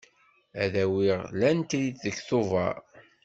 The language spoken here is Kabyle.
Ad awiɣ lantrit deg Tubeṛ.